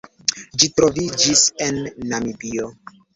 Ĝi troviĝis en Namibio.